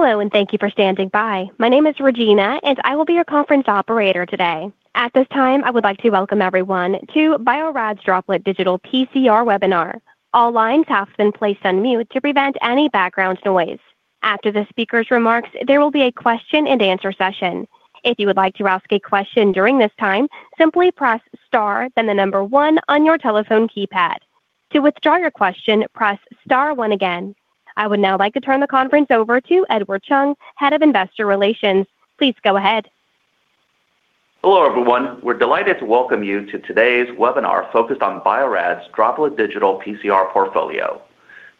Hello and thank you for standing by. My name is Regina and I will be your conference operator today. At this time I would like to welcome everyone to Bio-Rad Laboratories' Droplet Digital PCR Webinar. All lines have been placed on mute to prevent any background noise. After the speaker's remarks, there will be a question and answer session. If you would like to ask a question during this time, simply press Star then the number one on your telephone keypad. To withdraw your question, press Star one again. I would now like to turn the conference over to Edward Chung, Head of Investor Relations. Please go ahead. Hello everyone. We're delighted to welcome you to today's webinar focused on Bio-Rad Laboratories' Droplet Digital PCR Portfolio.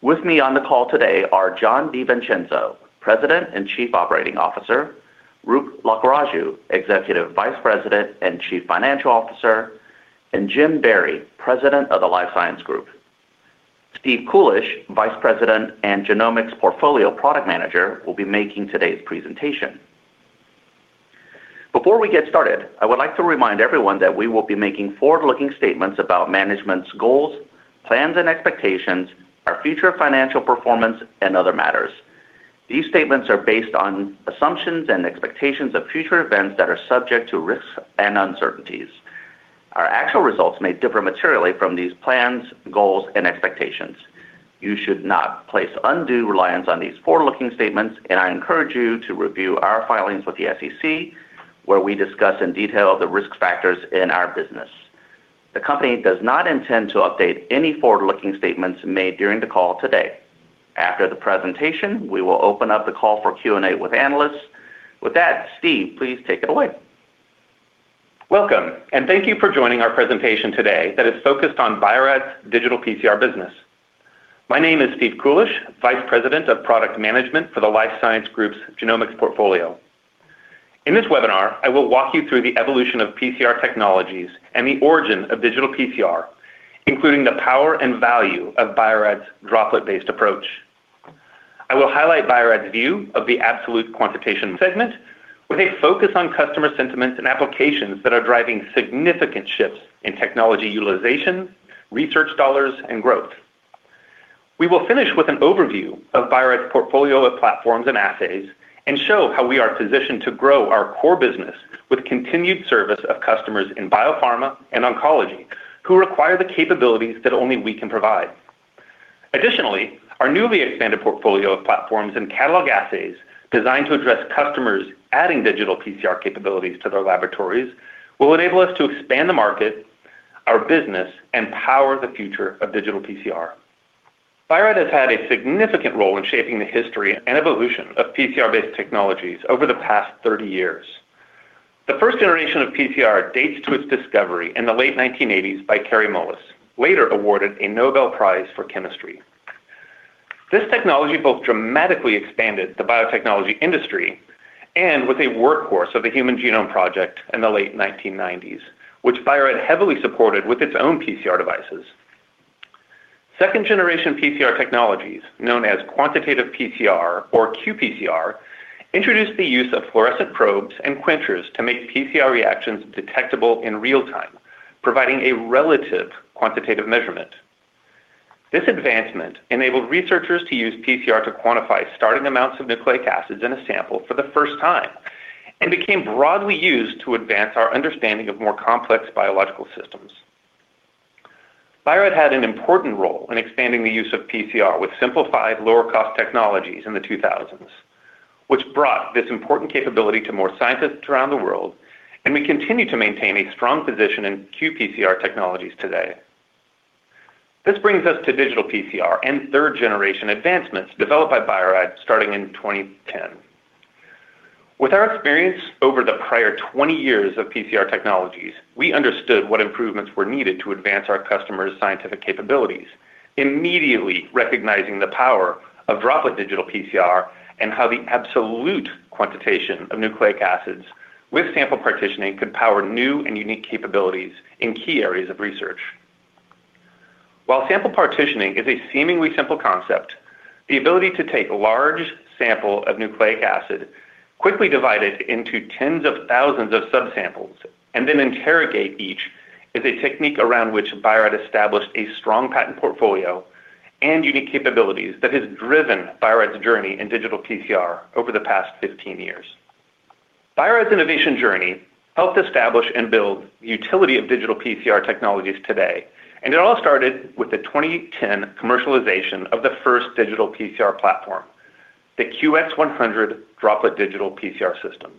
With me on the call today are Jon DiVincenzo, President and Chief Operating Officer, Roop Lakkaraju, Executive Vice President and Chief Financial Officer, and Jim Barry, President of the Life Science Group. Steve Kulisch, Vice President and Genomics Portfolio Product Manager, will be making today's presentation. Before we get started, I would like to remind everyone that we will be making forward-looking statements about management's goals, plans and expectations, our future financial performance, and other matters. These statements are based on assumptions and expectations of future events that are subject to risks and uncertainties. Our actual results may differ materially from these plans, goals, and expectations. You should not place undue reliance on these forward-looking statements, and I encourage you to review our filings with the SEC where we discuss in detail the risk factors in our business. The company does not intend to update any forward-looking statements made during the call today. After the presentation, we will open up the call for Q&A with analysts. With that, Steve, please take it away. Welcome and thank you for joining our presentation today that is focused on Bio-Rad Laboratories' Digital PCR business. My name is Steve Kulisch, Vice President of Product Management for the Life Science Group's Genomics Portfolio. In this webinar, I will walk you through the evolution of PCR technologies and the origin of digital PCR, including the power and value of Bio-Rad Laboratories' droplet-based approach. I will highlight Bio-Rad Laboratories' view of the absolute quantitation segment, with a focus on customer sentiments and applications that are driving significant shifts in technology utilization, research, dollars, and growth. We will finish with an overview of Bio-Rad Laboratories' portfolio of platforms and assays and show how we are positioned to grow our core business with continued service of customers in biopharma and oncology who require the capabilities that only we can provide. Additionally, our newly expanded portfolio of platforms and catalog assays designed to address customers adding digital PCR capabilities to their laboratories will enable us to expand the market, our business, and power the future of digital PCR. Bio-Rad Laboratories has had a significant role in shaping the history and evolution of PCR-based technologies over the past 30 years. The first generation of PCR dates to its discovery in the late 1980s by Kary Mullis, later awarded a Nobel Prize for Chemistry. This technology both dramatically expanded the biotechnology industry and was a workhorse of the human genome in the late 1990s, which Bio-Rad Laboratories heavily supported with its own PCR devices. Second generation PCR technologies, known as quantitative PCR or qPCR, introduced the use of fluorescent probes and quenchers to make PCR reactions detectable in real time, providing a relative quantitative measurement. This advancement enabled researchers to use PCR to quantify starting amounts of nucleic acids in a sample for the first time and became broadly used to advance our understanding of more complex biological systems. Bio-Rad Laboratories had an important role in expanding the use of PCR with simplified, lower cost technologies in the 2000s, which brought this important capability to more scientists around the world, and we continue to maintain a strong position in qPCR technologies today. This brings us to digital PCR and third generation advancements developed by Bio-Rad Laboratories starting in 2010. With our experience over the prior 20 years of PCR technologies, we understood what improvements were needed to advance our customers' scientific capabilities, immediately recognizing the power of droplet digital PCR and how the absolute quantitation of nucleic acids with sample partitioning could power new and unique capabilities in key areas of research. While sample partitioning is a seemingly simple concept, the ability to take a large sample of nucleic acid quickly, divide it into tens of thousands of subsamples, and then interrogate each is a technique around which Bio-Rad Laboratories established a strong patent portfolio and unique capabilities that has driven Bio-Rad Laboratories' journey in digital PCR over the past 15 years. Bio-Rad Laboratories' innovation journey helped establish and build utility of digital PCR technologies today, and it all started with the 2010 commercialization of the first digital PCR platform, the QX100 Droplet Digital PCR System.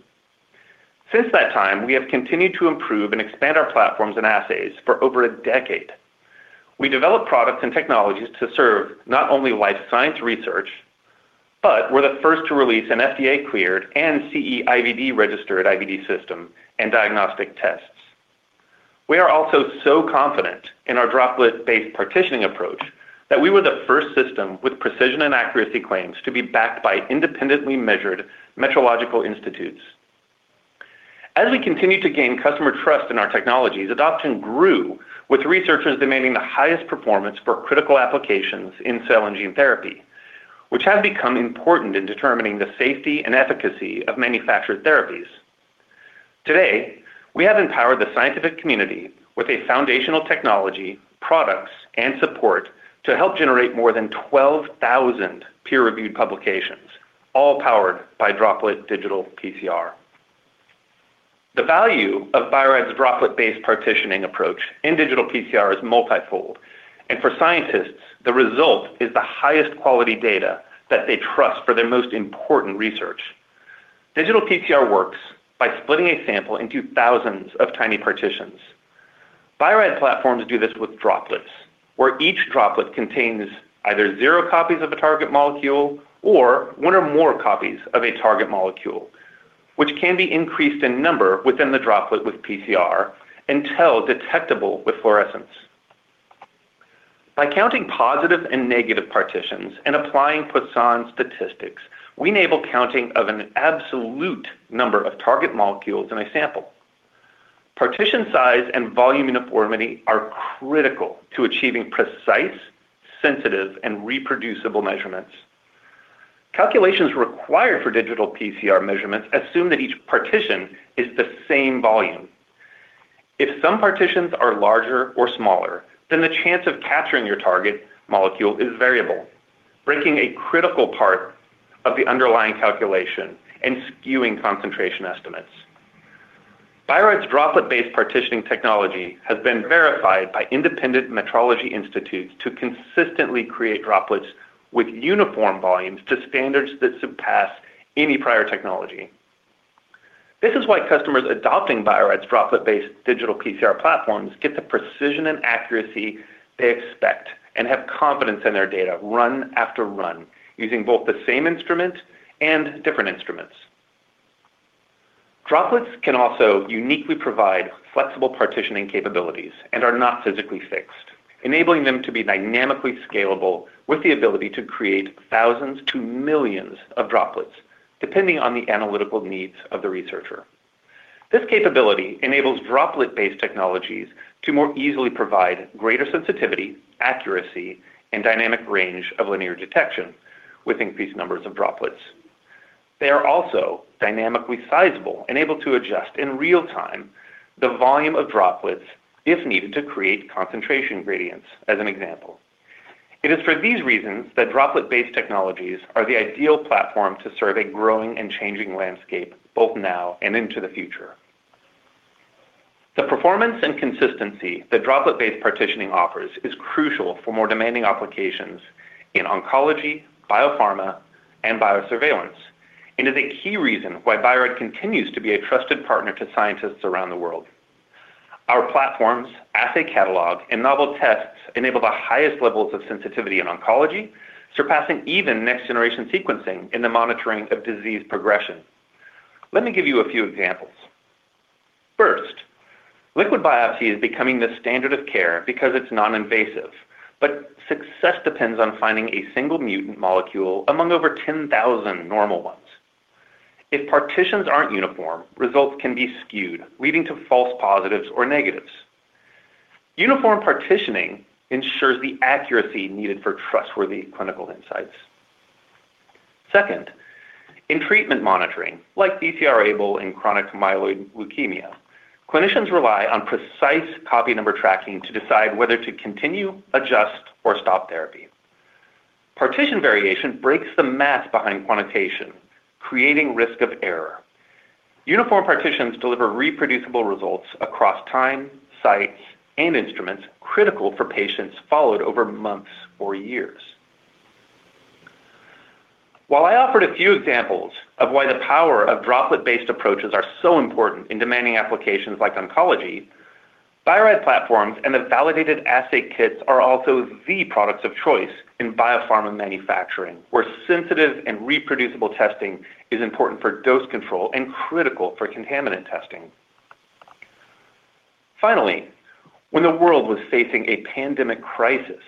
Since that time, we have continued to improve and expand our platforms and assays. For over a decade, we developed products and technologies to serve not only life science research, but we're the first to release an FDA-cleared and CE IVD registered IVD system and diagnostic tests. We are also so confident in our droplet based partitioning approach that we were the first system with precision and accuracy claims to be backed by independently measured metrology institutes. As we continued to gain customer trust in our technologies, adoption grew with researchers demanding the highest performance for critical applications in cell and gene therapy, which has become important in determining the safety and efficacy of manufactured therapies. Today, we have empowered the scientific community with a foundational technology, products, and support to help generate more than 12,000 peer reviewed publications all powered by Droplet Digital PCR. The value of Bio-Rad Laboratories' droplet based partitioning approach in digital PCR is multifold and for scientists the result is the highest quality data that they trust for their most important research. Digital PCR works by splitting a sample into thousands of tiny partitions. Bio-Rad Laboratories platforms do this with droplets where each droplet contains either zero copies of a target molecule or one or more copies of a target molecule, which can be increased in number within the droplet with PCR until detectable with fluorescence. By counting positive and negative partitions and applying Poisson statistics, we enable counting of an absolute number of target molecules in a sample. Partition size and volume uniformity are critical to achieving precise, sensitive, and reproducible measurements. Calculations required for digital PCR measurements assume that each partition is the same volume. If some partitions are larger or smaller, then the chance of capturing your target molecule is variable, breaking a critical part of the underlying calculation and skewing concentration estimates. Bio-Rad Laboratories' droplet based partitioning technology has been verified by independent metrology institutes to consistently create droplets with uniform volumes to standards that surpass any prior technology. This is why customers adopting Bio-Rad Laboratories droplet based digital PCR platforms get the precision and accuracy they expect and have confidence in their data run after run using both the same instrument and different instruments. Droplets can also uniquely provide flexible partitioning capabilities and are not physically fixed, enabling them to be dynamically scalable with the ability to create thousands to millions of droplets depending on the analytical needs of the researcher. This capability enables droplet-based technologies to more easily provide greater sensitivity, accuracy, and dynamic range of linear detection with increased numbers of droplets. They are also dynamically sizable and able to adjust in real time the volume of droplets if needed to create concentration gradients as an example. It is for these reasons that droplet-based technologies are the ideal platform to serve a growing and changing landscape both now and into the future. The performance and consistency that droplet-based partitioning offers is crucial for more demanding applications in oncology, biopharma, and biosurveillance and is a key reason why Bio-Rad continues to be a trusted partner to scientists around the world. Our platforms, assay catalog, and novel tests enable the highest levels of sensitivity in oncology, surpassing even next generation sequencing in the monitoring of disease progression. Let me give you a few examples. First, liquid biopsy is becoming the standard of care because it's non-invasive, but success depends on finding a single mutant molecule among over 10,000 normal ones. If partitions aren't uniform, results can be skewed, leading to false positives or negatives. Uniform partitioning ensures the accuracy needed for trustworthy clinical insights. Second, in treatment monitoring like BCR-ABL and chronic myeloid leukemia, clinicians rely on precise copy number tracking to decide whether to continue, adjust, or stop therapy. Partition variation breaks the math behind quantitation, creating risk of error. Uniform partitions deliver reproducible results across time, site, and instruments, critical for patients followed over months or years. While I offered a few examples of why the power of droplet-based approaches are so important in demanding applications like oncology, Bio-Rad platforms and the validated assay kits are also the products of choice in biopharma manufacturing where sensitive and reproducible testing is important for dose control and critical for contaminant testing. Finally, when the world was facing a pandemic crisis,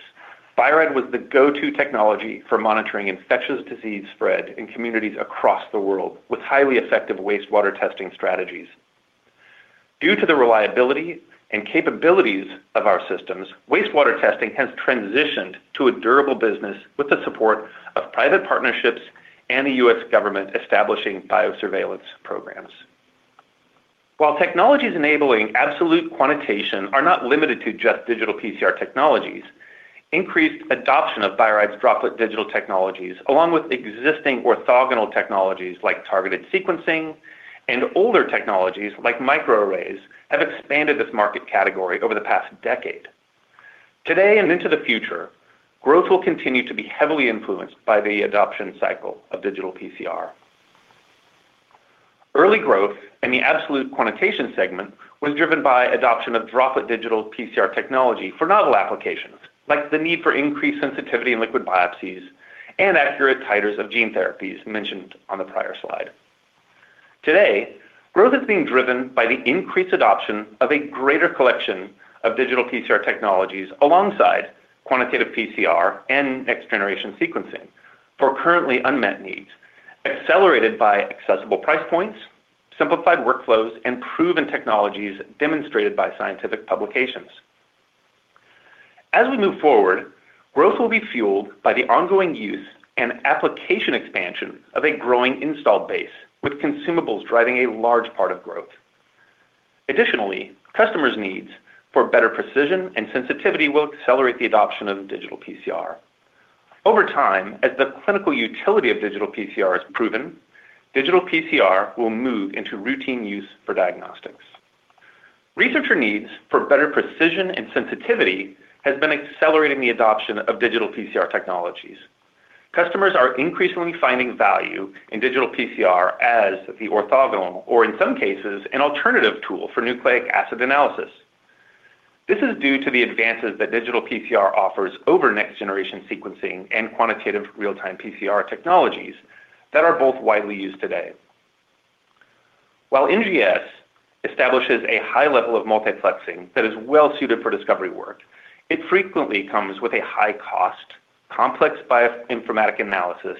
Bio-Rad was the go-to technology for monitoring infectious disease spread in communities across the world with highly effective wastewater testing strategies. Due to the reliability and capabilities of our systems, wastewater testing has transitioned to a durable business with the support of private partnerships and the U.S. Government establishing biosurveillance programs. While technologies enabling absolute quantitation are not limited to just digital PCR technologies, increased adoption of Bio-Rad Laboratories' Droplet Digital PCR technologies along with existing orthogonal technologies like targeted sequencing and older technologies like microarrays have expanded this market category over the past decade. Today and into the future, growth will continue to be heavily influenced by the adoption cycle of digital PCR. Early growth in the absolute quantitation segment was driven by adoption of Droplet Digital PCR technology for novel applications like the need for increased sensitivity in liquid biopsies and accurate titers of gene therapies mentioned on the prior slide. Today, growth is being driven by the increased adoption of a greater collection of digital PCR technologies alongside quantitative PCR and next generation sequencing for currently unmet needs accelerated by accessible price points, simplified workflows, and proven technologies demonstrated by scientific publications. As we move forward, growth will be fueled by the ongoing use and application expansion of a growing installed base with consumables driving a large part of growth. Additionally, customers' needs for better precision and sensitivity will accelerate the adoption of digital PCR over time. As the clinical utility of digital PCR is proven, digital PCR will move into routine use for diagnostics. Researcher needs for better precision and sensitivity has been accelerating the adoption of digital PCR technologies. Customers are increasingly finding value in digital PCR as the orthogonal or in some cases an alternative tool for nucleic acid analysis. This is due to the advances that digital PCR offers over next generation sequencing and quantitative real time PCR technologies that are both widely used today. While NGS establishes a high level of multiplexing that is well suited for discovery work, it frequently comes with a high cost, complex bioinformatic analysis,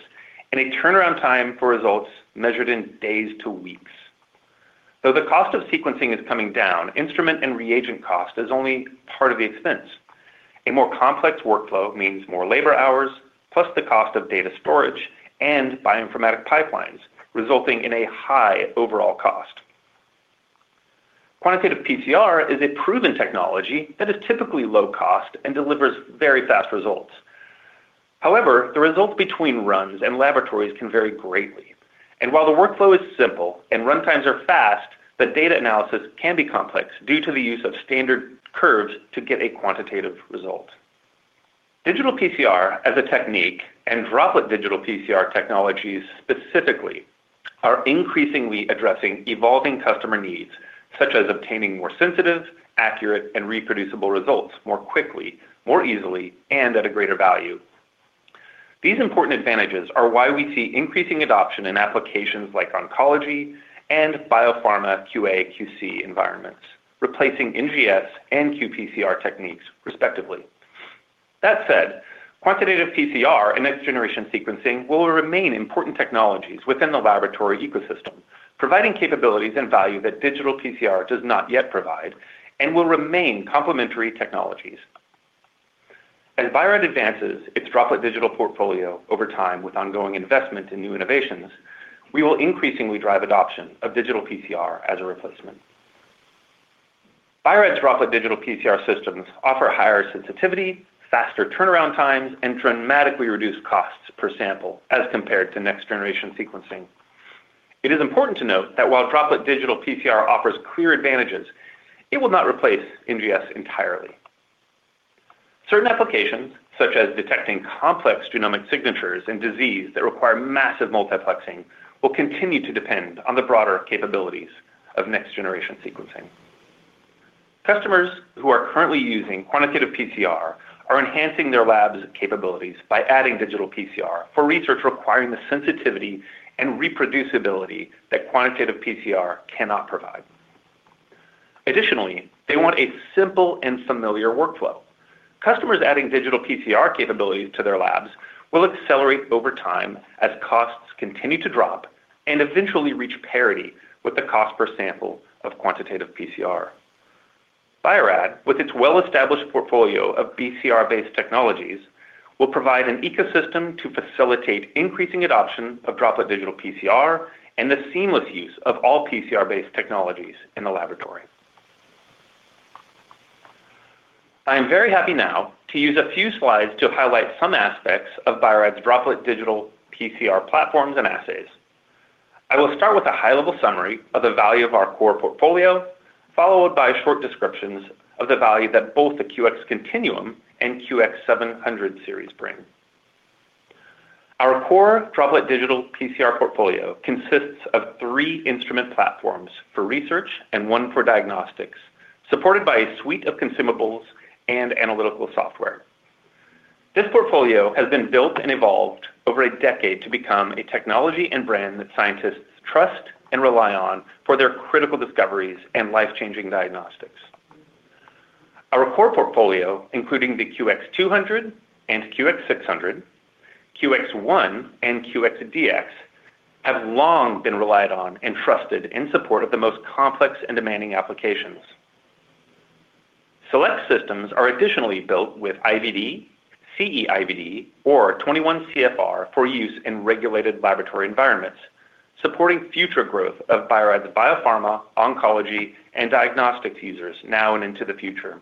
and a turnaround time for results measured in days to weeks. Though the cost of sequencing is coming down, instrument and reagent cost is only part of the expense. A more complex workflow means more labor hours plus the cost of data storage and bioinformatic pipelines, resulting in a high overall cost. Quantitative PCR is a proven technology that is typically low cost and delivers very fast results. However, the results between runs and laboratories can vary greatly, and while the workflow is simple and runtimes are fast, the data analysis can be complex due to the use of standard curves to get a quantitative result. Digital PCR as a technique and droplet digital PCR technologies specifically are increasingly addressing evolving customer needs such as obtaining more sensitive, accurate, and reproducible results more quickly, more easily, and at a greater value. These important advantages are why we see increasing adoption in applications like oncology and biopharma QA/QC environments replacing NGS and quantitative PCR techniques respectively. That said, quantitative PCR and next generation sequencing will remain important technologies within the laboratory ecosystem, providing capabilities and value that digital PCR does not yet provide and will remain complementary technologies as Bio-Rad Laboratories advances its droplet digital portfolio over time. With ongoing investment in new innovations, we will increasingly drive adoption of digital PCR as a replacement. Bio-Rad Laboratories' droplet digital PCR systems offer higher sensitivity, faster turnaround times, and dramatically reduced costs per sample as compared to next generation sequencing. It is important to note that while droplet digital PCR offers clear advantages, it will not replace NGS entirely. Certain applications such as detecting complex genomic signatures and disease that require massive multiplexing will continue to depend on the broader capabilities of next generation sequencing. Customers who are currently using quantitative PCR are enhancing their labs' capabilities by adding digital PCR for research requiring the sensitivity and reproducibility that quantitative PCR cannot provide. Additionally, they want a simple and familiar workflow. Customers adding digital PCR capabilities to their labs will accelerate over time as costs continue to drop and eventually reach parity with the cost per sample of quantitative PCR. Bio-Rad Laboratories, with its well-established portfolio of PCR-based technologies, will provide an ecosystem to facilitate increasing adoption of droplet digital PCR and the seamless use of all PCR-based technologies in the laboratory. I am very happy now to use a few slides to highlight some aspects of Bio-Rad Laboratories' droplet digital PCR platforms and assays. I will start with a high-level summary of the value of our core portfolio, followed by short descriptions of the value that both the QX Continuum and QX700 series bring. Our core Droplet Digital PCR portfolio consists of three instrument platforms for research and one for diagnostics, supported by a suite of consumables and analytical software. This portfolio has been built and evolved over a decade to become a technology and brand that scientists trust and rely on for their critical discoveries and life-changing diagnostics. Our core portfolio, including the QX200 and QX600, QX1, and QXDx, have long been relied on and trusted in support of the most complex and demanding applications. Select systems are additionally built with IVD, CE-IVD, or 21 CFR for use in regulated laboratory environments, supporting future growth of Bio-Rad's biopharma, oncology, and diagnostics users now and into the future.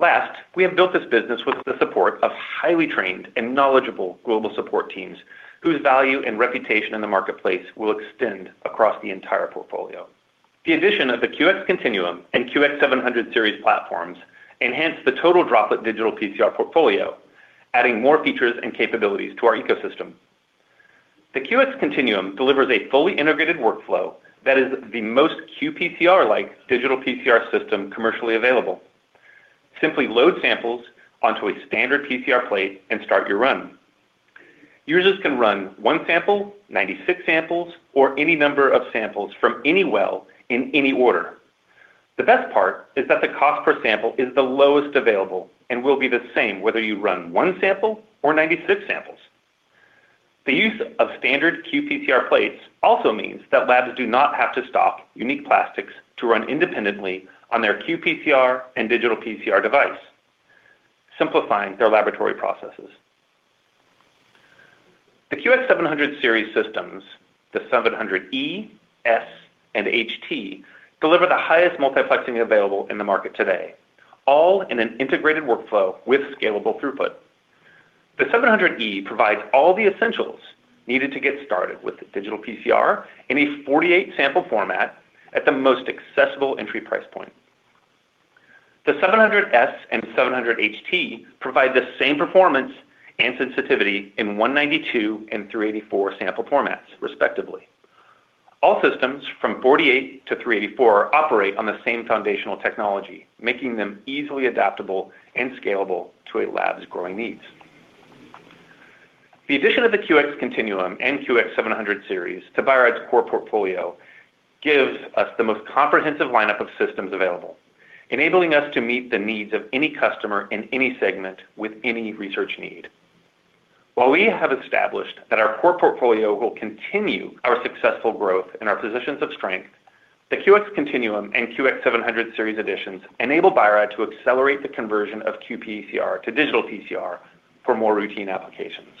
Last, we have built this business with the support of highly trained and knowledgeable global support teams whose value and reputation in the marketplace will extend across the entire portfolio. The addition of the QX Continuum and QX700 series platforms enhance the total Droplet Digital PCR portfolio, adding more features and capabilities to our ecosystem. The QX Continuum delivers a fully integrated workflow that is the most qPCR-like digital PCR system commercially available. Simply load samples onto a standard PCR plate and start your run. Users can run one sample, 96 samples, or any number of samples from any well in any order. The best part is that the cost per sample is the lowest available and will be the same whether you run one sample or 96 samples. The use of standard qPCR plates also means that labs do not have to stock unique plastics to run independently on their qPCR and digital PCR device, simplifying their laboratory processes. The QX700 series systems, the 700E, 700S, and 700HT, deliver the highest multiplexing available in the market today, all in an integrated workflow with scalable throughput. The 700E provides all the essentials needed to get started with digital PCR in a 48-sample format at the most accessible entry price point. The 700S and 700HT provide the same performance and sensitivity in 192 and 384 sample formats, respectively. All systems from 48 to 384 operate on the same foundational technology, making them easily adaptable and scalable to a lab's growing needs. The addition of the QX Continuum and QX700 series to Bio-Rad's core portfolio gives us the most comprehensive lineup of systems available, enabling us to meet the needs of any customer in any segment with any research need. While we have established that our core portfolio will continue our successful growth in our positions of strength, the QX Continuum and QX700 series additions enable Bio-Rad to accelerate the conversion of QPCR to digital PCR for more routine applications.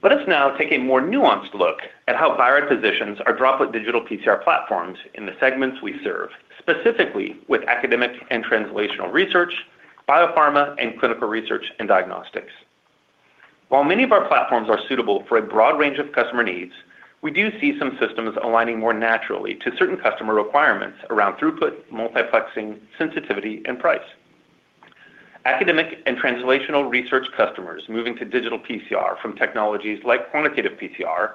Let us now take a more nuanced look at how Bio-Rad positions our Droplet Digital PCR platforms in the segments we serve, specifically with academic and translational research, biopharma and clinical research and diagnostics. While many of our platforms are suitable for a broad range of customer needs, we do see some systems aligning more naturally to certain customer requirements around throughput, multiplexing, sensitivity, and price. Academic and translational research customers moving to digital PCR from technologies like quantitative PCR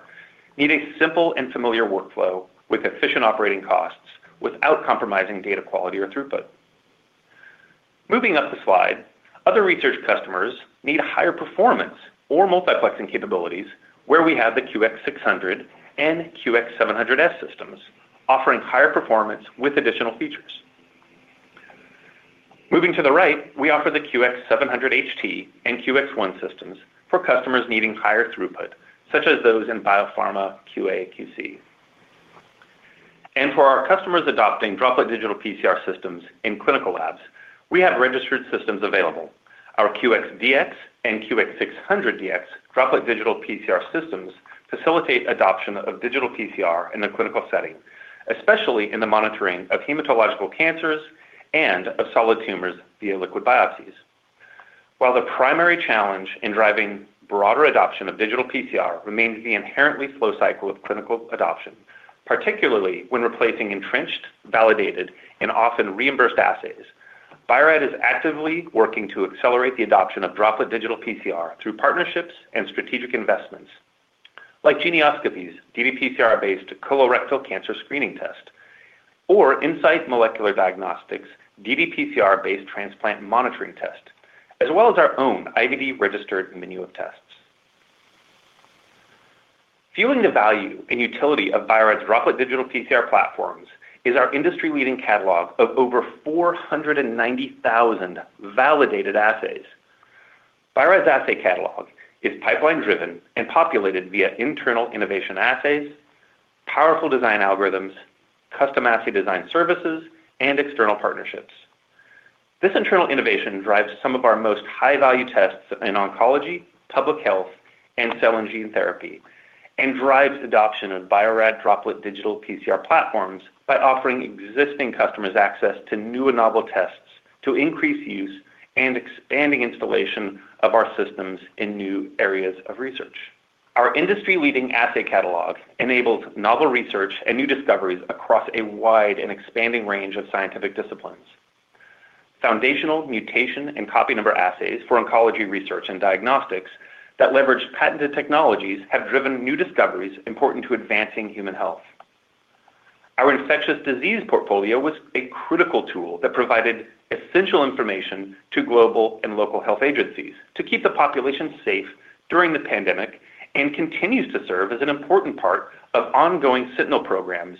need a simple and familiar workflow with efficient operating costs without compromising data quality or throughput. Moving up the slide, other research customers need higher performance or multiplexing capabilities where we have the QX600 and QX700 series systems offering higher performance with additional features. Moving to the right, we offer the QX700HT and QX1 systems for customers needing higher throughput such as those in biopharma QA/QC, and for our customers adopting Droplet Digital PCR systems in clinical labs, we have registered systems available. Our QXDx and QX600 DX Droplet Digital PCR systems facilitate adoption of digital PCR in a clinical setting, especially in the monitoring of hematological cancers and of solid tumors via liquid biopsies. While the primary challenge in driving broader adoption of digital PCR remains the inherently slow cycle of clinical adoption, particularly when replacing entrenched, validated, and often reimbursed assays, Bio-Rad is actively working to accelerate the adoption of Droplet Digital PCR through partnerships and strategic investments like Genioscopy's ddPCR-based Colorectal Cancer Screening Test or Insight Molecular Diagnostics ddPCR-based Transplant Monitoring Test, as well as our own IVD Registered Menu of tests. Fueling the value and utility of Bio-Rad's Droplet Digital PCR platforms is our industry-leading catalog of over 490,000 validated assays. Bio-Rad's assay catalog is pipeline driven and populated via internal innovation assays, powerful design algorithms, custom assay design services, and external partnerships. This internal innovation drives some of our most high value tests in oncology, public health, and cell and gene therapy and drives adoption of Bio-Rad Droplet Digital PCR platforms by offering existing customers access to new and novel tests to increase use and expanding installation of our systems in new areas of research. Our industry leading assay catalog enables novel research and new discoveries across a wide and expanding range of scientific disciplines. Foundational mutation and copy number assays for oncology research and diagnostics that leverage patented technologies have driven new discoveries important to advancing human health. Our infectious disease portfolio was a critical tool that provided essential information to global and local health agencies to keep the population safe during the pandemic and continues to serve as an important part of ongoing sentinel programs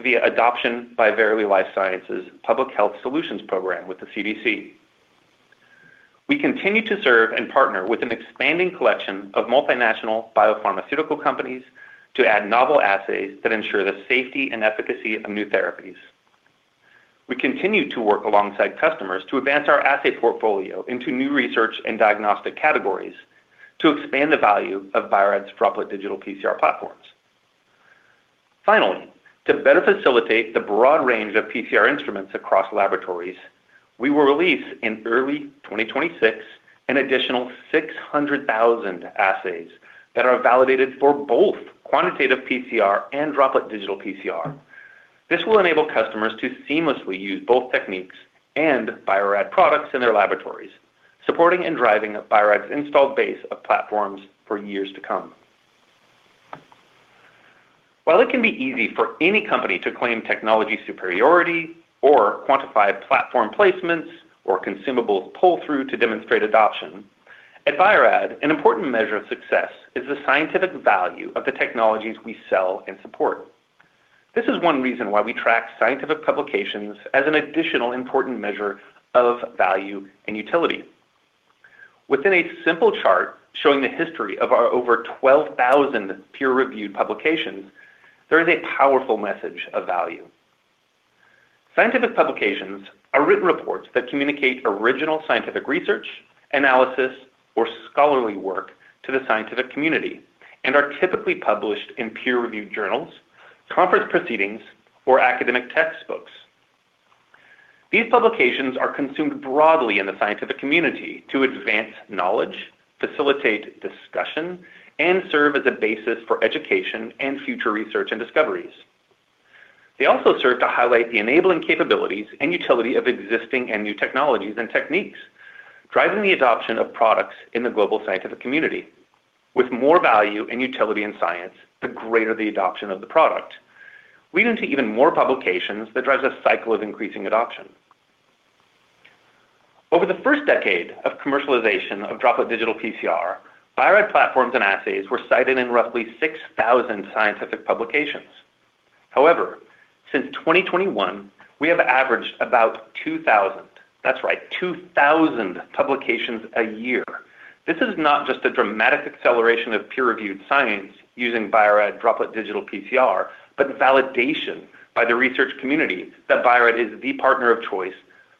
via adoption by Verily Life Sciences Public Health Solutions Program with the CDC. We continue to serve and partner with an expanding collection of multinational biopharmaceutical companies to add novel assays that ensure the safety and efficacy of new therapies. We continue to work alongside customers to advance our assay portfolio into new research and diagnostic categories to expand the value of Bio-Rad's Droplet Digital PCR platforms. Finally, to better facilitate the broad range of PCR instruments across laboratories, we will release in early 2026 an additional 600,000 assays that are validated for both quantitative PCR and Droplet Digital PCR. This will enable customers to seamlessly use both techniques and Bio-Rad products in their laboratories, supporting and driving Bio-Rad's installed base of platforms for years to come. While it can be easy for any company to claim technology superiority or quantify platform placements or consumables pull through to demonstrate adoption, at Bio-Rad, an important measure of success is the scientific value of the technologies we sell and support. This is one reason why we track scientific publications as an additional important measure of value and utility. Within a simple chart showing the history of our over 12,000 peer reviewed publications, there is a powerful message of value. Scientific publications are written reports that communicate original scientific research, analysis, or scholarly work to the scientific community and are typically published in peer-reviewed journals, conference proceedings, or academic textbooks. These publications are consumed broadly in the scientific community to advance knowledge, facilitate discussion, and serve as a basis for education and future research and discoveries. They also serve to highlight the enabling capabilities and utility of existing and new technologies and techniques driving the adoption of products in the global scientific community. With more value and utility in science, the greater the adoption of the product leading to even more publications that drives a cycle of increasing adoption. Over the first decade of commercialization of Droplet Digital PCR, Bio-Rad platforms and assays were cited in roughly 6,000 scientific publications. However, since 2021 we have averaged about 2,000, that's right, 2,000 publications a year. This is not just a dramatic acceleration of peer-reviewed science using Bio-Rad Droplet Digital PCR, but validation by the research community that Bio-Rad is the partner of choice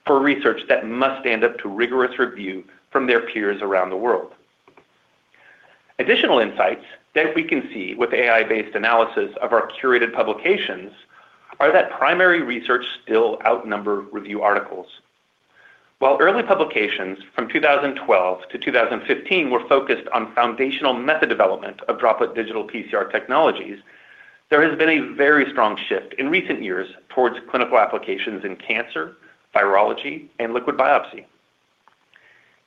for research that must stand up to rigorous review from their peers around the world. Additional insights that we can see with AI-based analysis of our curated publications are that primary research still outnumbers review articles. While early publications from 2012 to 2015 were focused on foundational method development of Droplet Digital PCR technologies, there has been a very strong shift in recent years towards clinical applications in cancer, virology, and liquid biopsy.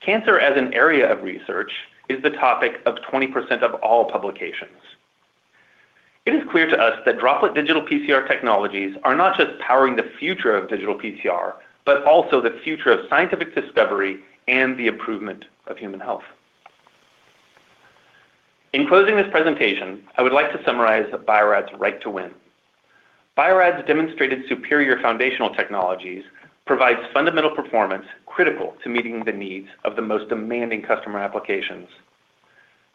Cancer as an area of research is the topic of 20% of all publications. It is clear to us that Droplet Digital PCR technologies are not just powering the future of digital PCR but also the future of scientific discovery and the improvement of human health. In closing this presentation, I would like to summarize Bio-Rad's right to win. Bio-Rad's demonstrated superior foundational technologies provide fundamental performance critical to meeting the needs of the most demanding customer applications.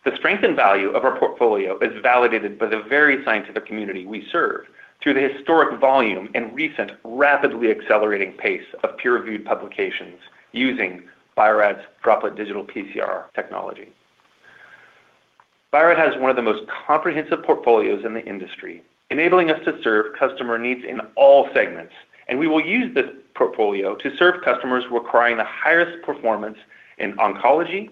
The strength and value of our portfolio is validated by the very scientific community we serve through the historic volume and recent rapidly accelerating pace of peer-reviewed publications using Bio-Rad's Droplet Digital PCR technology. Bio-Rad Laboratories has one of the most comprehensive portfolios in the industry, enabling us to serve customer needs in all segments, and we will use this portfolio to serve customers requiring the highest performance in oncology,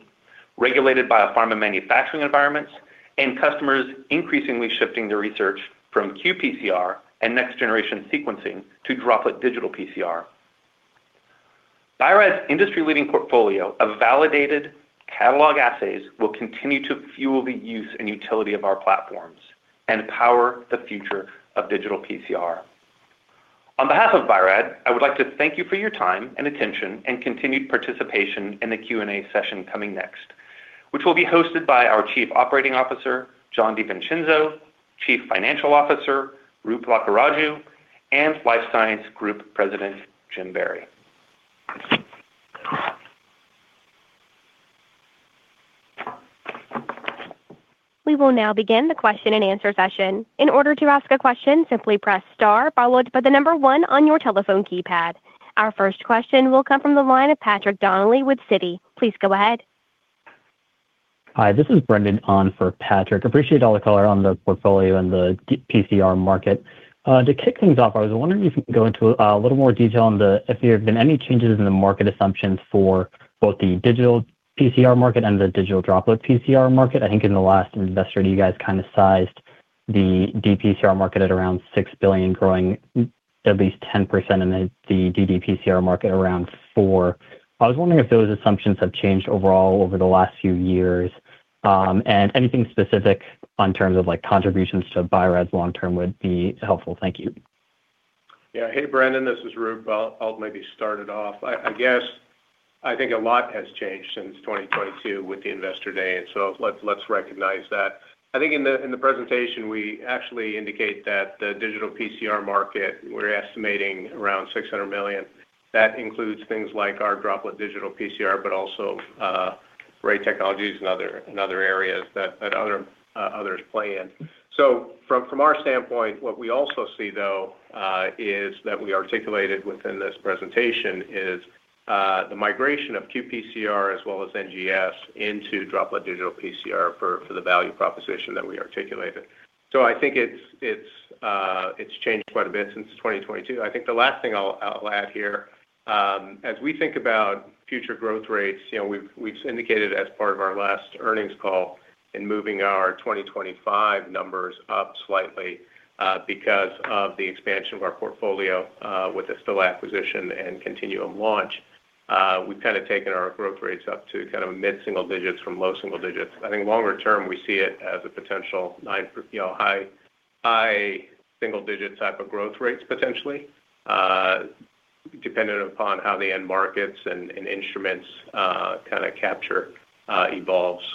regulated biopharma manufacturing environments, and customers increasingly shifting their research from quantitative PCR and next generation sequencing to Droplet Digital PCR. Bio-Rad Laboratories' industry leading portfolio of validated catalog assays will continue to fuel the use and utility of our platforms and power the future of digital PCR. On behalf of Bio-Rad Laboratories, I would like to thank you for your time and attention and continued participation in the Q and A session coming next, which will be hosted by our Chief Operating Officer Jon DiVincenzo, Chief Financial Officer Roop Lakkaraju, and Life Science Group President Jim Barry. We will now begin the question and answer session. In order to ask a question, simply press star followed by the number one on your telephone keypad. Our first question will come from the line of Patrick Donnelly with Citi. Please go ahead. Hi, this is Brandon on for Patrick. Appreciate all the color on the portfolio and the PCR market to kick things off. I was wondering if you can go into a little more detail on the, if there have been any changes in the market assumptions for both the digital PCR market and the digital droplet PCR market. I think in the last investor you guys kind of sized the digital PCR market at around $6 billion, growing at least 10%. In the digital droplet PCR market around $4 billion. I was wondering if those assumptions have changed overall over the last few years and anything specific in terms of like contributions to Bio-Rad long term would be helpful. Thank you. Yeah, hey Brandon, this is Roop. I'll maybe start it off, I guess. I think a lot has changed since 2022 with the investor day, and let's recognize that. I think in the presentation we actually indicate that the digital PCR market we're estimating around $600 million. That includes things like our droplet digital PCR but also array technologies and other areas that others play in. From our standpoint, what we also see though is that we articulated within this presentation is the migration of QPCR as well as NGS into droplet digital PCR for the value proposition that we articulated. I think it's changed quite a bit since 2022. The last thing I'll add here as we think about future growth rates, we've indicated as part of our last earnings call in moving our 2025 numbers up slightly because of the expansion of our portfolio with the Stilla acquisition and Continuum launch, we've kind of taken our growth rates up to kind of mid single digits from low single digits. I think longer term we see it as a potential high single digit type of growth rates, potentially dependent upon how the end markets and instruments kind of capture evolves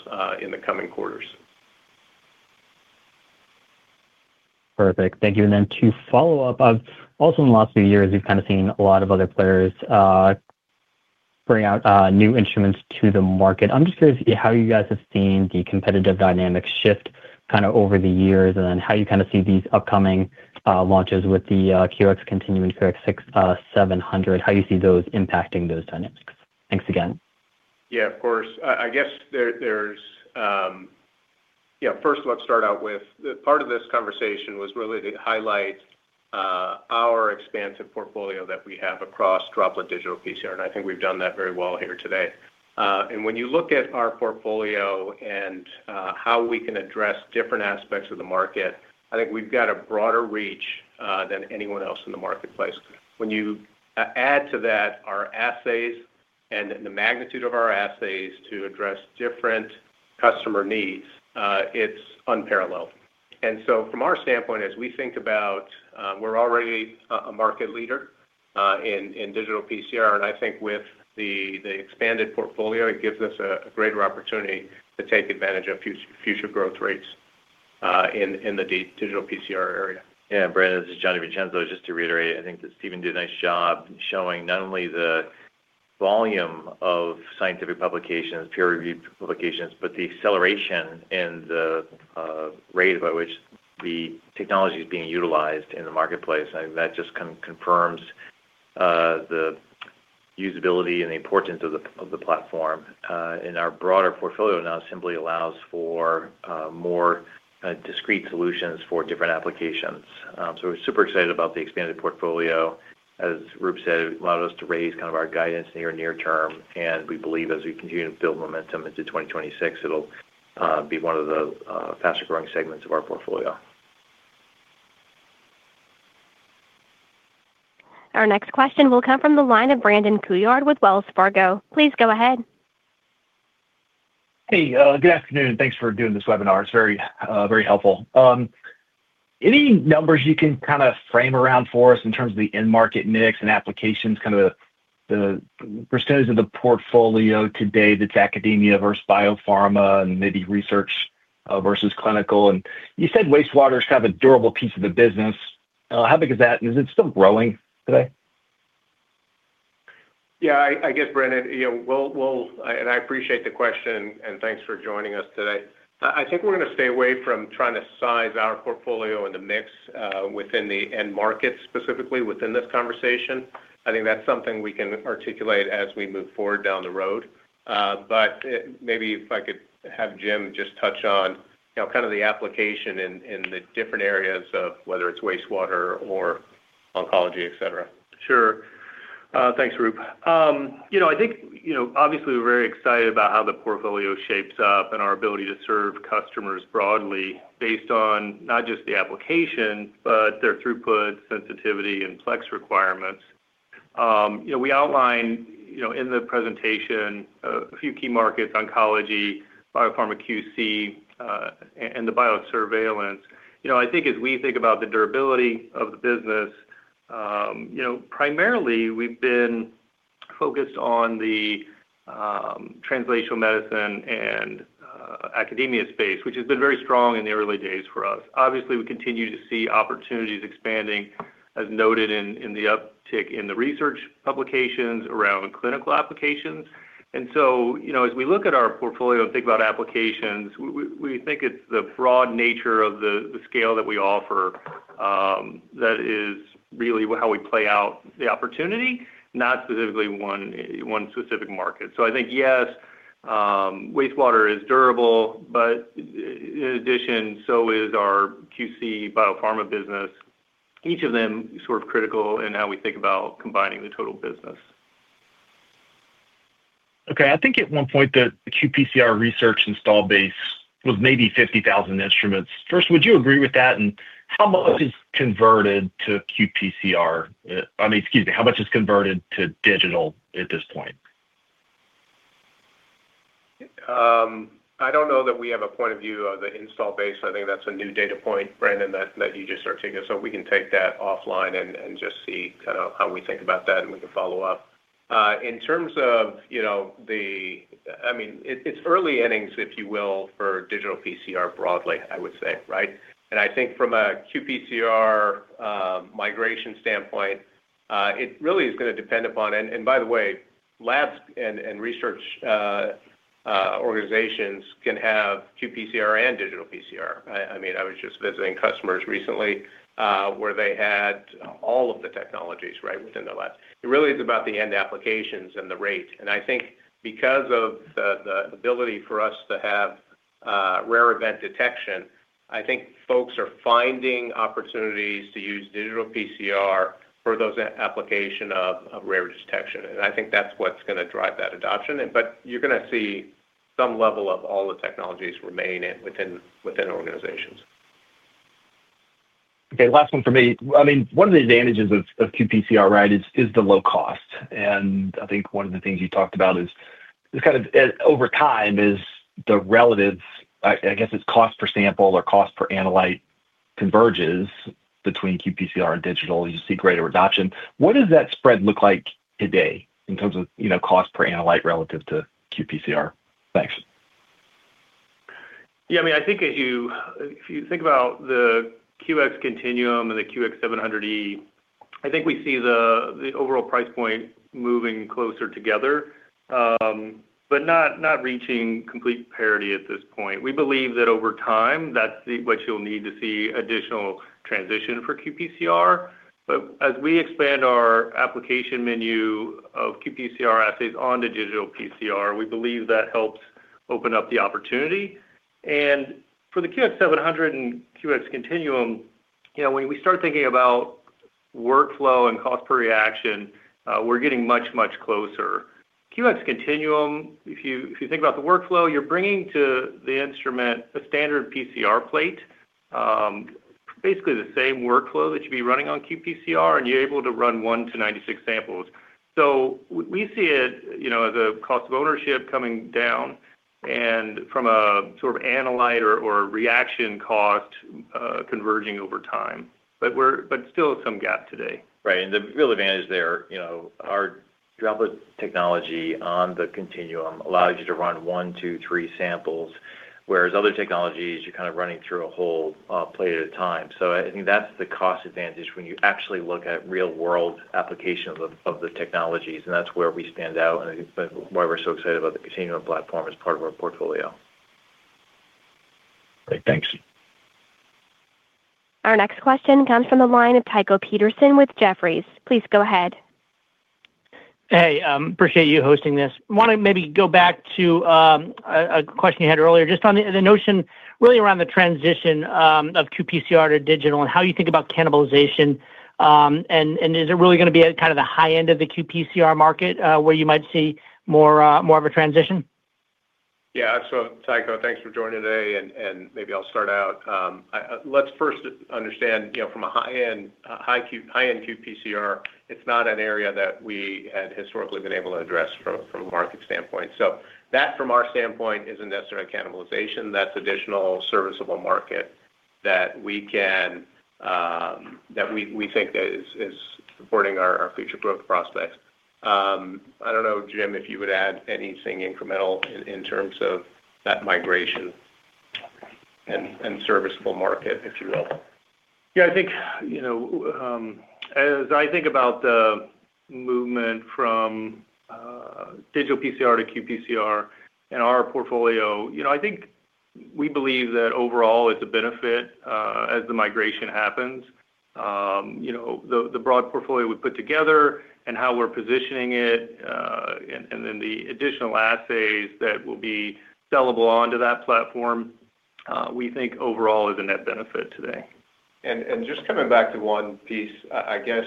in the coming quarters. Perfect, thank you. To follow up, also in the last few years we've kind of seen a lot of other players bring out new instruments to the market. I'm just curious how you guys have seen the competitive dynamics shift over the years and how you see these upcoming launches with the QX Continuum and QX700, how you see those impacting those dynamics. Thanks again. Yeah, of course. First, let's start out with the part of this conversation that was really to highlight our expansive portfolio that we have across droplet digital PCR. I think we've done that very well here today. When you look at our portfolio and how we can address different aspects of the market, I think we've got a broader reach than anyone else in the marketplace. When you add to that our assays and the magnitude of our assays to address different customer needs, it's unparalleled. From our standpoint, as we think about it, we're already a market leader in digital PCR. I think with the expanded portfolio, it gives us a greater opportunity to take advantage of future growth rates in the digital PCR area. Yeah, Brandon, this is Jon DiVincenzo. Just to reiterate, I think that Steve Kulisch did a nice job showing not only the volume of scientific publications, peer-reviewed publications, but the acceleration in the rate by which the technology is being utilized in the marketplace. That just kind of confirms the usability and the importance of the platform. Our broader portfolio now simply allows for more, more discrete solutions for different applications. We're super excited about the expanded portfolio. As Roop Lakkaraju said, it allowed us to raise kind of our guidance near term. We believe as we continue to build momentum into 2026, it'll be one of the faster growing segments of our portfolio. Our next question will come from the line of Brandon Couillard with Wells Fargo. Please go ahead. Hey, good afternoon. Thanks for doing this webinar. It's very, very helpful. Any numbers you can kind of frame around for us in terms of the end market mix and applications, kind of the percentage of the portfolio today, that's academia versus biopharma and maybe research versus clinical. You said wastewater is kind of a durable piece of the business. How big is that? Is it still growing today? Yeah, I guess. Brandon, you know, we'll, and I appreciate the question and thanks for joining us today. I think we're going to stay away from trying to size our portfolio in the mix within the end market, specifically within this conversation. I think that's something we can articulate as we move forward down the road. Maybe if I could have Jim just touch on, you know, kind of the application in the different areas of whether it's wastewater or oncology, etc. Sure. Thanks, Roop. I think, obviously we're very excited about how the portfolio shapes up and our ability to serve customers broadly based on not just the application, but their throughput, sensitivity, and plex requirements. We outlined in the presentation a few key markets: oncology, biopharma, QC, and biosurveillance. I think as we think about the durability of the business, primarily we've been focused on the translational medicine and academia space, which has been very strong in the early days for us. Obviously, we continue to see opportunities expanding, as noted in the uptick in the research publications around clinical applications. As we look at our portfolio and think about applications, we think it's the broad nature of the scale that we offer that is really how we play out the opportunity, not specifically one specific market. I think yes, wastewater is durable, but in addition, so is our QC biopharma business. Each of them is sort of critical in how we think about combining the total business. Okay. I think at one point the quantitative PCR research installed base was maybe 50,000 instruments first. Would you agree with that? How much is converted to quantitative PCR? I mean, excuse me, how much is converted to digital at this point? I don't know that we have a point of view of the install base. I think that's a new data point, Brandon, that you just articulate. We can take that offline and just see kind of how we think about that, and we can follow up in terms of, you know, the—it's early innings, if you will, for digital PCR broadly, I would say. I think from a qPCR migration standpoint, it really is going to depend upon—by the way, labs and research organizations can have qPCR and digital PCR. I was just visiting customers recently where they had all of the technologies right within the lab. It really is about the end applications and the rate. I think because of the ability for us to have rare event detection, folks are finding opportunities to use digital PCR for those application of rare detection. I think that's what's going to drive that adoption. You're going to see some level of all the technologies remain within organizations. Okay, last one for me. I mean, one of the advantages of qPCR, right, is the low cost. I think one of the things you talked about is kind of over time is the relative, I guess it's cost per sample or cost per analyte, converges between qPCR and digital. You see greater adoption. What does that spread look like today in terms of, you know, cost per analyte relative to qPCR? Thanks. Yeah, I mean, I think as you, if you think about the QX Continuum and the QX700 series, I think we see the overall price point moving closer together but not reaching complete parity at this point. We believe that over time that's what you'll need to see additional transition for qPCR. As we expand our application menu of qPCR assays onto digital PCR, we believe that helps open up the opportunity for the QX700 and QX Continuum. You know, when we start thinking about it. Workflow and cost per reaction, we're getting much, much closer. QX Continuum. If you think about the workflow you're bringing to the instrument, a standard PCR plate, basically the same workflow. That you'd be running on quantitative PCR and you're able to run one to 96 samples. We see it as a cost of ownership coming down, and from a sort of analyte or reaction cost converging over time, but still some gap today. Right. The real advantage there, you know, our droplet technology on the QX Continuum allows you to run 1, 2, 3 samples, whereas other technologies, you're kind of running through a whole plate at a time. I think that's the cost advantage when you actually look at real world application of the technologies. That's where we stand out, why we're so excited about the QX Continuum platform as part of our portfolio. Thanks. Our next question comes from the line of Tycho Peterson with Jefferies. Please go ahead. Hey, appreciate you hosting this. Want to maybe go back to a question you had earlier just on the notion really around the transition of quantitative PCR to digital and how you think about cannibalization and is it really going to be at kind of the high end of the quantitative PCR market where you might see more, more of a transition? Yeah. Tycho, thanks for joining today. Maybe I'll start out. Let's first understand, you know, from a high end, high, high end quantitative PCR. It's not an area that we had historically been able to address from a market standpoint. That from our standpoint is a necessary cannibalization that's additional serviceable market that we can, that we think that is supporting our future growth prospects. I don't know, Jim, if you would add anything incremental in terms of that migration and serviceable market, if you will. I think, as I think about the movement from digital PCR to QPCR and our portfolio, I think we believe that overall it's a benefit as the migration happens. The broad portfolio we put together and how we're positioning it and then the additional assays that will be sellable onto that platform, we think overall is a net benefit today. Just coming back to one piece, I guess.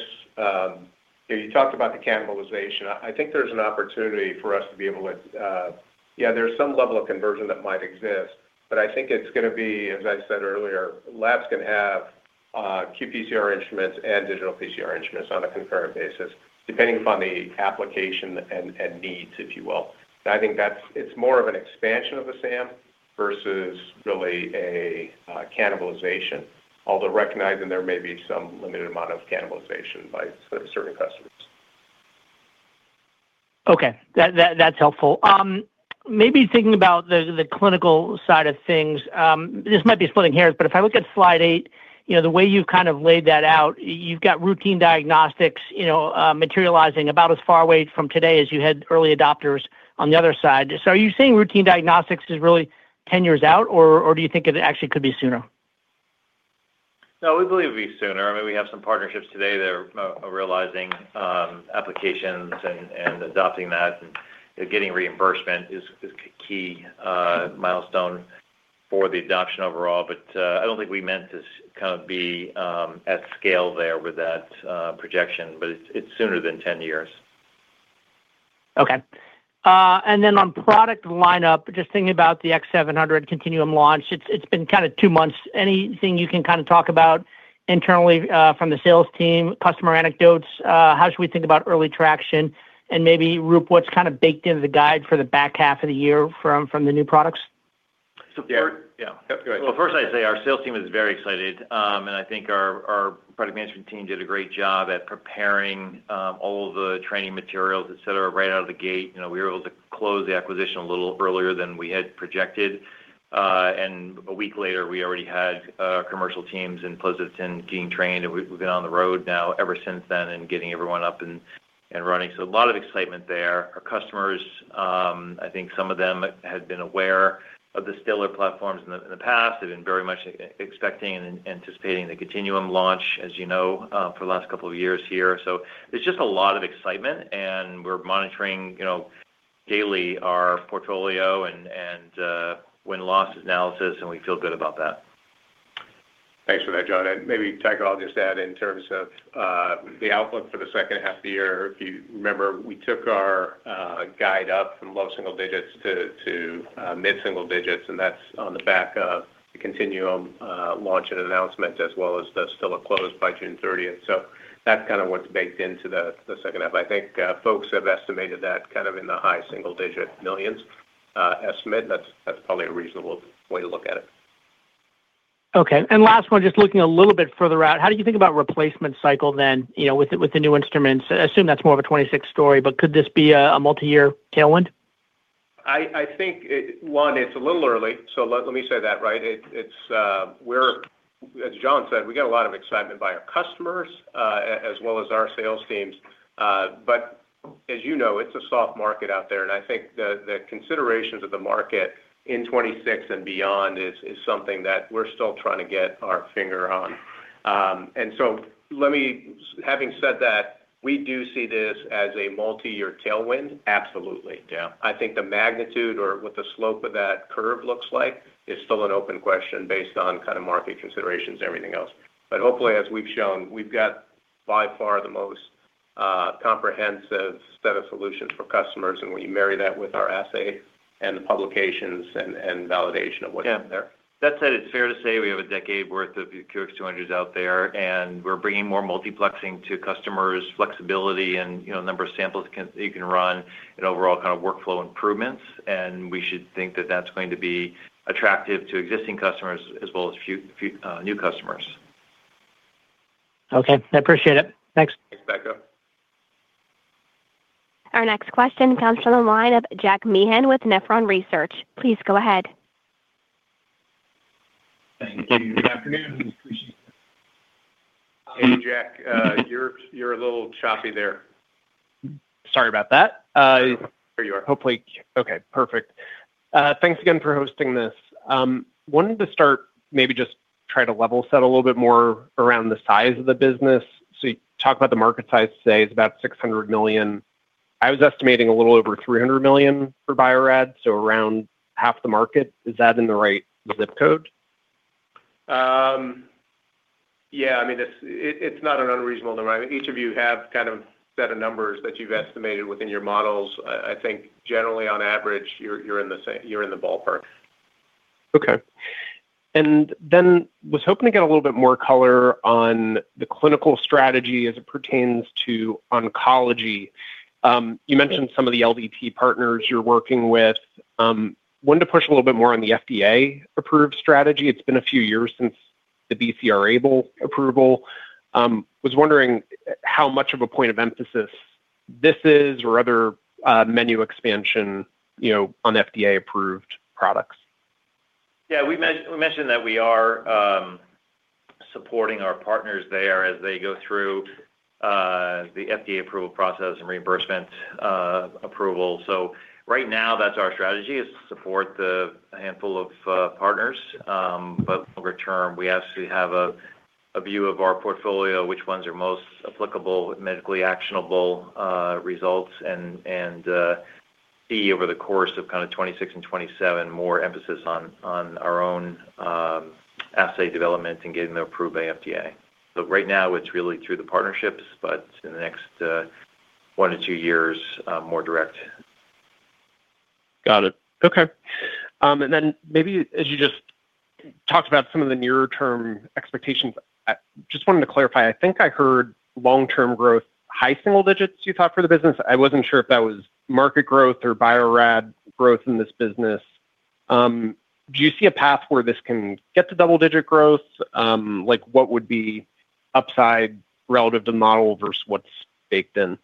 You talked about the cannibalization. I think there's an opportunity for us to be able to, yeah, there's some level of conversion that might exist, but I think it's going to be, as I said earlier, labs can have QPCR instruments and digital PCR instruments on a concurrent basis, depending upon the application and needs, if you will. I think that's more of an expansion of the SAM versus really a cannibalization, although recognizing there may be some limited amount of cannibalization by certain custodies. Okay, that's helpful. Maybe thinking about the clinical side of things, this might be splitting hairs, but if I look at Slide 8, you know, the way you've kind of laid that out, you've got routine diagnostics, you know, materializing about as far away from today as you had early adopters on the other side. Are you saying routine diagnostics is really 10 years out, or do you think it actually could be sooner? No, we believe it'll be sooner. We have some partnerships today that are realizing applications and adopting that, and getting reimbursement is a key milestone for the adoption overall. I don't think we meant to be at scale there with that projection. It's sooner than 10 years. Okay. On product lineup, just thinking about the QX700 Continuum launch. It's been kind of two months. Anything you can kind of talk about internally from the sales team, customer anecdotes, how should we think about early traction and maybe Roop, what's kind of baked into the guide for the back half of the year from the new products? Our sales team is very excited, and I think our Product Management team did a great job at preparing all the training materials, et cetera. Right out of the gate, we were able to close the acquisition a little earlier than we had projected. A week later, we already had commercial teams in position getting trained. We've been on the road now ever since then and getting everyone up and running. There is a lot of excitement there. Our customers, I think some of them had been aware of the stellar platforms in the past, have been very much expecting and anticipating the Continuum launch for the last couple of years here. There is just a lot of excitement and we're monitoring daily our portfolio and win loss analysis, and we feel good about that. Thanks for that, Jon. Maybe, Tyco, I'll just add in terms of the outlook for the second half of the year, if you remember, we took our guide up from low single digits to mid single digits, and that's on the back of the Continuum launch and announcement as well as the still a close by June 30. That's kind of what's baked into the second half. I think folks have estimated that kind of in the high single digit millions estimate. That's probably a reasonable way to look at it. Okay, last one, just looking a little bit further out. How do you think about replacement cycle then? You know, with the new instruments I assume that's more of a 2026 story, but could this be a multi-year tailwind? I think one, it's a little early. Let me say that right, it's where, as Jon DiVincenzo said, we got a lot of excitement by our customers as well as our sales teams. As you know, it's a soft market out there, and I think the considerations of the market in 2026 and beyond is something that we're still trying to get our finger on. Having said that, we do see this as a multi-year tailwind. Absolutely. I think the magnitude or what the slope of that curve looks like it is still an open question based on kind of market considerations, everything else. Hopefully, as we've shown, we've got by far the most comprehensive set of solutions for customers, and we marry that with our assay and the publications and validation of what there. That said, it's fair to say we have a decade worth of QX200s out there and we're bringing more multiplexing to customers, flexibility and number of samples you can run, and overall kind of workflow improvements. We should think that that's going to be attractive to existing customers as well as new customers. Okay, I appreciate it. Thanks Tycho. Our next question comes from the line of Jack Meehan with Nephron Research. Please go ahead. Hey Jack, you're a little choppy there. Sorry about that. There you are. Hopefully. Okay, perfect. Thanks again for hosting this. Wanted to start maybe just try to level set a little bit more around the size of the business. You talk about the market size today is about $600 million. I was estimating a little over $300 million for Bio-Rad. Around half the market. Is that in the right? The zip code? Yeah, I mean it's not unreasonable. Each of you have kind of set numbers that you've estimated within your models. I think generally on average you're in the ballpark. Okay, I was hoping to get a little bit more color on the clinical strategy as it pertains to oncology. You mentioned some of the LDT partners you're working with wanted to push a little bit more on the FDA approved strategy. It's been a few years since the BCR-ABL approval. Was wondering how much of a point of emphasis this is or other menu expansion, you know, on FDA approved products. Yeah, we mentioned that we are supporting our partners there as they go through the FDA approval process and reimbursement approval. Right now that's our strategy is to support the handful of partners. Longer term we actually have a view of our portfolio, which ones are most applicable medically actionable results, and see over the course of 2026 and 2027, more emphasis on our own assay development and getting them approved by FDA. Right now it's really through the partnerships, but in the next one to two years more direct. Got it. Okay. As you just talked about some of the nearer term expectations, I just wanted to clarify. I think I heard long term growth, high single digits, you thought for the business. I wasn't sure if that was market growth or Bio-Rad growth in this business. Do you see a path where this can get to double-digit growth? Like what would be upside relative to model versus what's baked in?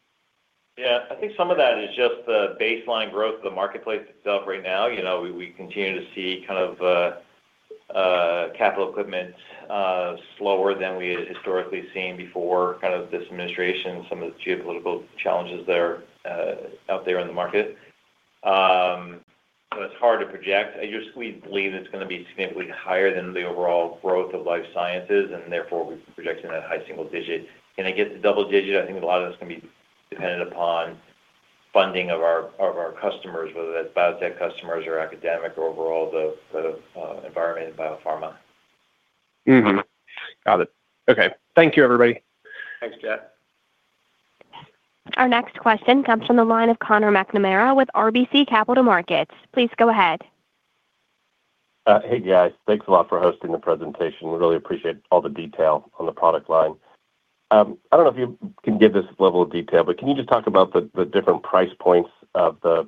Yeah, I think some of that is just the baseline growth, the marketplace itself. Right now, you know, we continue to see kind of capital equipment slower than we historically seen before, kind of this administration, some of the geopolitical challenges that are out there in the market. It's hard to project. We believe it's going to be significantly higher than the overall growth of life sciences, and therefore we project it at high single digit. Can it get double digit? I think a lot of this can be dependent upon funding of our customers, whether that's biotech customers or academic or overall the environment in biopharma. Got it. Okay, thank you everybody. Thanks, Jeff. Our next question comes from the line of Conor McNamara with RBC Capital Markets. Please go ahead. Hey guys, thanks a lot for hosting the presentation. We really appreciate all the detail on the product line. I don't know if you can give this level of detail, but can you just talk about the different price points of the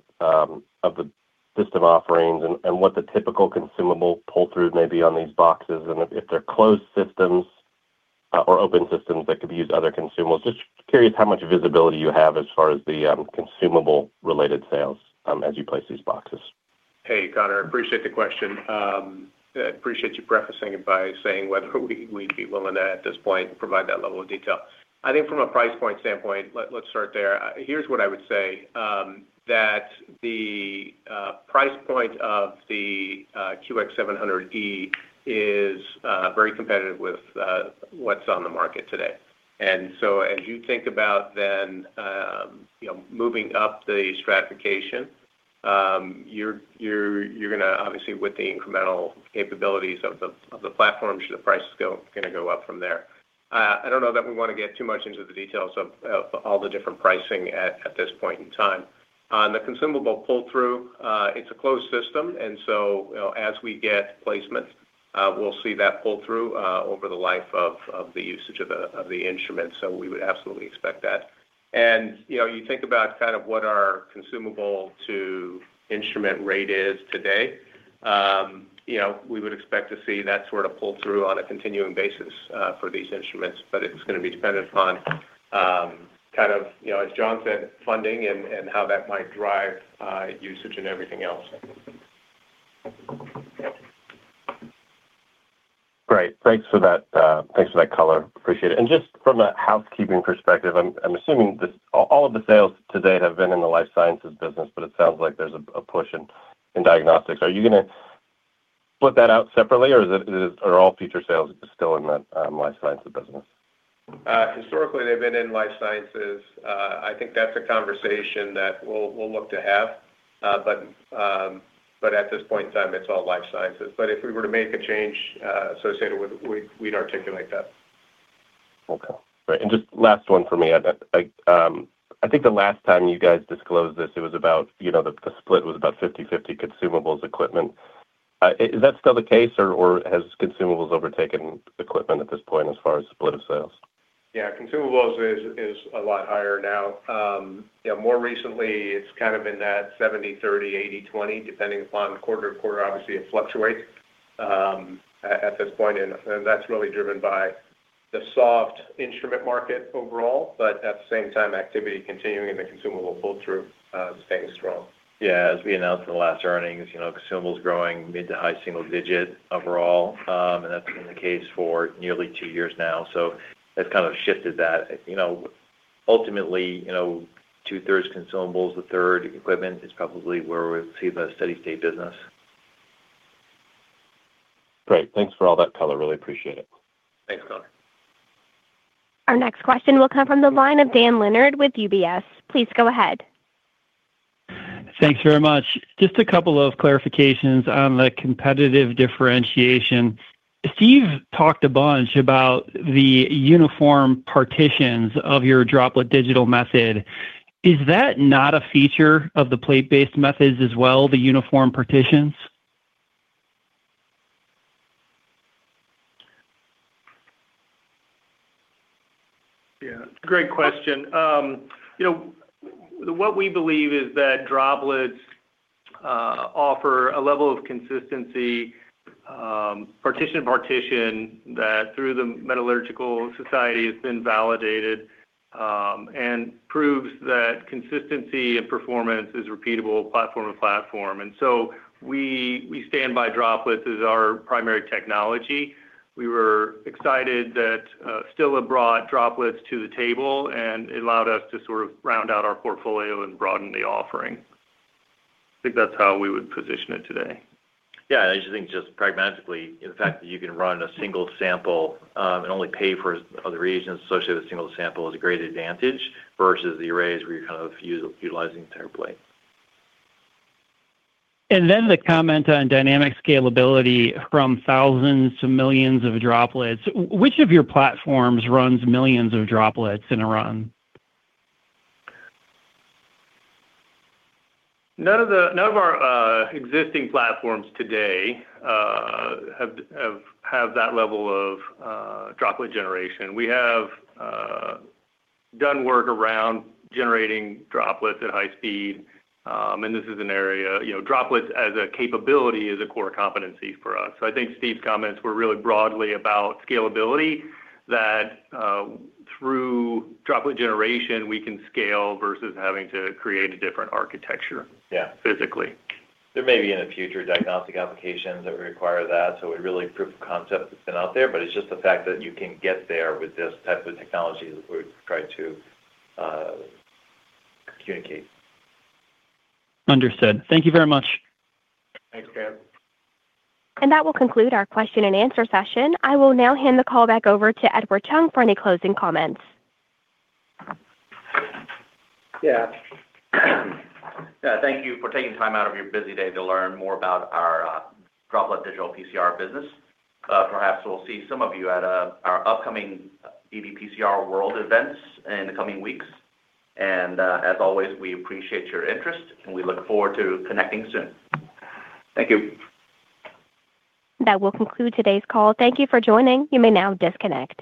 system offerings and what the typical consumable pull through may be on these boxes and if they're closed systems or open systems that could be used with other consumables. Just curious how much visibility you have as far as the consumable related sales as you place these boxes. Hey Conor, I appreciate the question, appreciate you prefacing it by saying whether we'd be willing to at this point provide that level of detail. I think from a price point standpoint, let's start there. Here's what I would say: the price point of the QX700 series is very competitive with what's on the market today. As you think about then, you know, moving up the stratification, you're going to obviously, with the incremental capabilities of the platform, the price is going to go up from there. I don't know that we want to get too much into the details of all the different pricing at this point in time on the consumable pull through. It's a closed system, and as we get placements, we'll see that pull through over the life of the usage of the instrument. We would absolutely expect that. You know, you think about kind of what our consumable to instrument rate is today. We would expect to see that sort of pull through on a continuing basis for these instruments, but it's going to be dependent upon, kind of, you know, as Jon said, funding and how that might drive usage and everything else. Great, thanks for that. Thanks for that color. Appreciate it. Just from a housekeeping perspective, I'm assuming all of the sales to date have been in the life sciences business, but it sounds like there's a push in diagnostics. Are you going to put that out separately, or are all future sales still in that life science business? Historically, they've been in life sciences. I think that's a conversation that we'll look to have, but at this point in time, it's all life sciences. If we were to make a change associated with it, we'd articulate that. Okay, great. And just last one for me. I think the last time you guys disclosed this. It was about, you know the split was about 50%, 50% consumables equipment. Is that still the case, or has consumables overtaken equipment at this point? As far as split of sales? Yeah, consumables is a lot higher now. More recently it's kind of in that 70/30, 80/20 depending upon quarter to quarter. Obviously, it fluctuates at this point, and that's really driven by the soft instrument market overall, but at the same time activity continuing and the consumable pull through, staying strong. Yeah. As we announced in the last earnings, you know, consumable is growing mid to high single digit overall, and that's been the case for nearly two years now. It's kind of shifted that, you know, ultimately, you know, two thirds consumables, a third equipment is probably where we see the steady state business. Great, thanks for all that color. Really appreciate it. Thanks Conor. Our next question will come from the line of Dan Leonard with UBS. Please go ahead. Thanks very much. Just a couple of clarifications on the competitive differentiation. Steve talked a bunch about the uniform partitions of your droplet digital method. Is that not a feature of the plate-based methods as well, the uniform partitions? Yeah, great question. What we believe is that droplets offer a level of consistency, partition, partition that through the metrology institutes has been validated and proves that consistency and performance is repeatable platform to platform. We stand by droplets as our primary technology. We were excited that still have brought droplets to the table, and it allowed us to sort of round out our portfolio and broaden the offering. I think that's how we would position it today. I just think just pragmatically the fact that you can run a single sample and only pay for other reagents associated with a single sample is a great advantage versus the arrays where you kind of utilizing template. The comment on dynamic scalability from thousands to millions of droplets. Which of your platforms runs millions of droplets in QX1? None of our existing platforms today have that level of droplet generation. We have done work around generating droplets at high speed. This is an area, you know, droplets as a capability is a core competency for us. I think Steve's comments were really broadly about scalability, that through droplet generation we can scale versus having to create a different architecture. Physically, there may be in the future diagnostic applications that require that. It really is proof of concept that's been out there. It's just the fact that you can get there with this type of technology that we're trying to communicate. Understood. Thank you very much. Thanks Dan. That will conclude our question and answer session. I will now hand the call back over to Edward Chung for any closing comments. Yeah. Thank you for taking time out of your busy day to learn more about our droplet digital PCR business. Perhaps we'll see some of you at our upcoming EVPCR World events in the coming weeks. As always, we appreciate your interest and we look forward to connecting soon. Thank you. That will conclude today's call. Thank you for joining. You may now disconnect.